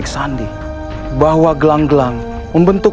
masalah pak man juru demo